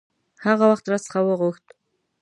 هغه وخت را څخه وغوښت.